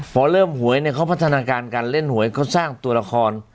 พอเริ่มหวยเนี่ยเขาพัฒนาการการเล่นหวยเขาสร้างตัวละคร